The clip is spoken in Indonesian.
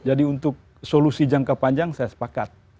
jadi untuk solusi jangka panjang saya sepakat